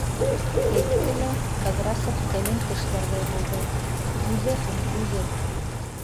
Әйтте лә, Ҡыҙрасов телен тешләрҙәй булды: үҙе һуң, үҙе...